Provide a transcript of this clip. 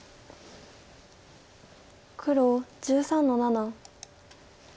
黒１３の七。